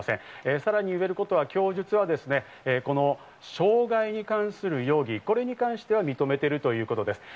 さらに言えることは、供述は傷害に関する容疑、これに関しては認めているということです。